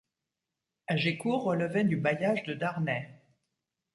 Hagécourt relevait du bailliage de Darney.